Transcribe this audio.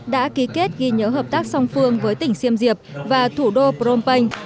đã ký kết ghi nhớ hợp tác song phương với tỉnh xiêm diệp và thủ đô phnom penh